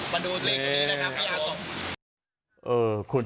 มาดูเลขนี้นะครับพี่อาทรวม